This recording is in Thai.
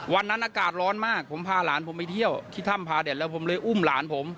วันนั้นอากาศร้อนมากผมพาหลานผมไปเที่ยวที่ถ้ำพาเด็ดแล้วผมเลยอุ้มหลานผม